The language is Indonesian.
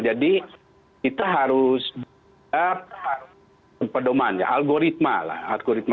jadi itu harus berpedoman ya algoritma lah